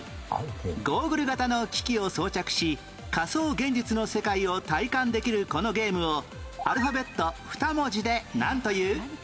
ゴーグル型の機器を装着し仮想現実の世界を体感できるこのゲームをアルファベット２文字でなんという？